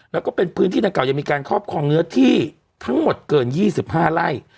แล้วก็เป็นพื้นที่ดังเก่ายังมีการครอบครองเนื้อที่ทั้งหมดเกิน๒๕ไร่